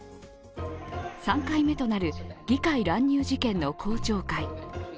３回目となる議会乱入事件の公聴会。